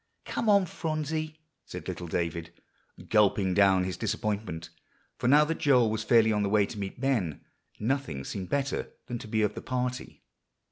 "Come on, Phronsie," said little David, gulping down his disappointment; for now that Joel was fairly on the way to meet Ben, nothing seemed better than to be of the party.